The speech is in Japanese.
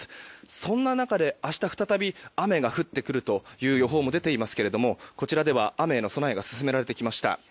そんな中で明日再び雨が降ってくるという予報もありますがこちらでは雨への備えが進められてきました。